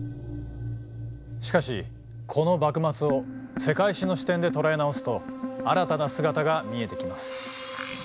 しかしこの幕末を世界史の視点で捉え直すと新たな姿が見えてきます。